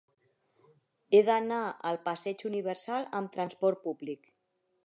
He d'anar al passeig Universal amb trasport públic.